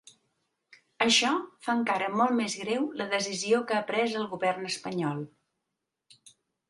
Això fa encara molt més greu la decisió que ha pres el govern espanyol.